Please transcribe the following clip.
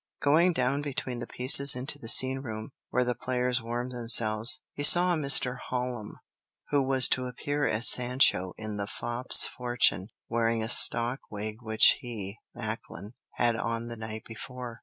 Going down between the pieces into the scene room, where the players warmed themselves, he saw a Mr. Hallam, who was to appear as Sancho in the "Fop's Fortune," wearing a stock wig which he (Macklin) had on the night before.